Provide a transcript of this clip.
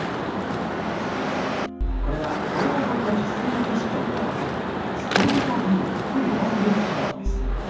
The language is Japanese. これは道路沿いの実際の景色を見渡せる「ストリートビュー」と呼ばれる機能です。